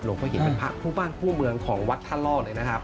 หลวงพ่อหินเป็นพระผู้บ้านผู้เมืองของวัดท่านล่อเลยนะครับ